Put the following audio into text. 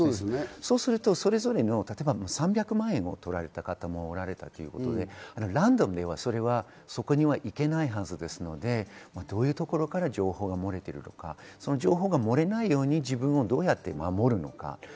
そうするとそれぞれの、３００万円を取られた方もおられたということで、ランダムではそれはそこには行けないはずですので、どういうところから情報が漏れているのか、漏れないように自分をどうやって守るのか？